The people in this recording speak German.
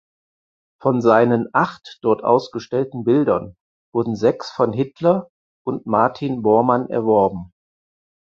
Von seinen acht dort ausgestellten Bildern wurden sechs von Hitler und Martin Bormann erworben.